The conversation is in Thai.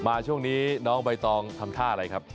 ช่วงนี้น้องใบตองทำท่าอะไรครับ